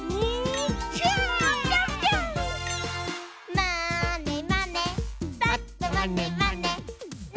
「まーねまねぱっとまねまね」